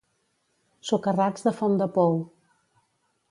Socarrats de Fontdepou.